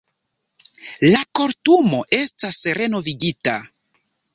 La Kortumo estas renovigita.